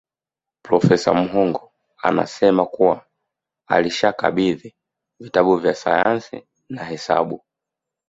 Profesa Muhongo anasema kuwa alishakabidhi vitabu vya Sayansi na Hesabu